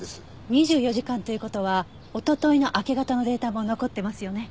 ２４時間という事はおとといの明け方のデータも残ってますよね？